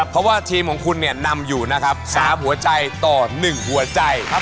เพราะว่าทีมของคุณเนี่ยนำอยู่นะครับ๓หัวใจต่อ๑หัวใจ